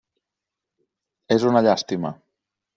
És una llàstima.